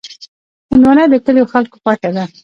هندوانه د کلیو خلکو خوښه ده.